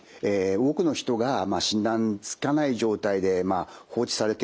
多くの人が診断つかない状態で放置されていると。